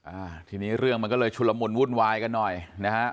อ่าทีนี้เรื่องมันก็เลยชุลมุนวุ่นวายกันหน่อยนะฮะ